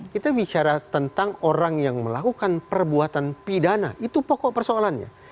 kita bicara tentang orang yang melakukan perbuatan pidana itu pokok persoalannya